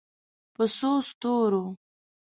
په څو ستورو